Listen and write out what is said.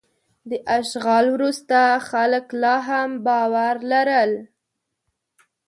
د اشغال وروسته خلک لا هم باور لرل.